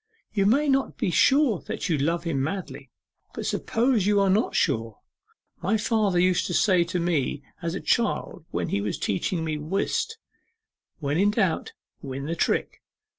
You may not be sure that you love him madly; but suppose you are not sure? My father used to say to me as a child when he was teaching me whist, "When in doubt win the trick!"